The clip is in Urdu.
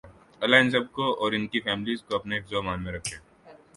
لله ان سب کو اور انکی فیملیز کو اپنے حفظ و امان میں رکھے